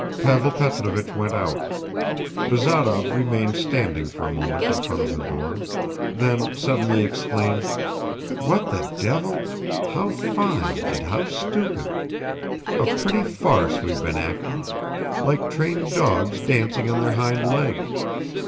Pavel Petrovich went out; Bazarov remained standing for a moment in front of the door, then suddenly exclaimed, "What the devil How fine and how stupid! A pretty farce we've been acting; like trained dogs dancing on their hind legs.